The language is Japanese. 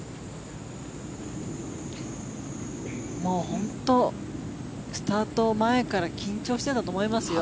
本当にスタート前から緊張してたと思いますよ。